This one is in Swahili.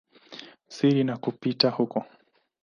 siri na kupita huko.